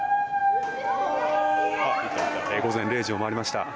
午前０時を回りました。